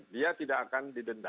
dia tidak akan didenda